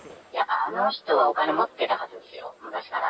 あの人はお金持ってたはずですよ、昔から。